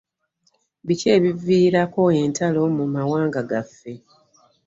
Biki ebiviirako entalo mu mawanga gaffe.